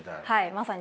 まさに。